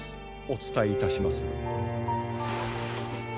お伝えいたしまする。